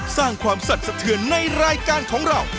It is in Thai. สร้างความสัดสะเทือนในรายการของเรา